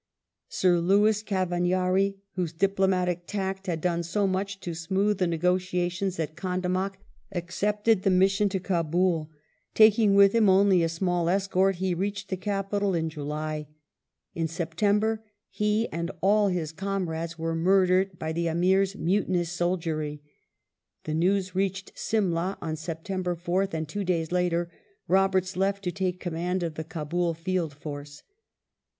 Sir Louis Murder of Cavagnari, whose diplomatic tact had done so much to smooth the i^^K^^buT* negotiations at Gandamak, accepted the mission to Kabul. Taking Mi. 177. I 470 AFGHANISTAN, SOUTH AFRICA, IRELAND [1876 with him only a small escort, he reached the capital in July. In September he and all his comrades were murdered by the AmiVs mutinous soldiery. The news reached Simla on September 4th, and two days later Robei*ts left to take command of the Kabul Field Force.